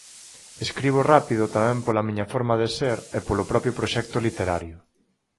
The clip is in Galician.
Escribo rápido tamén pola miña forma de ser e polo propio proxecto literario.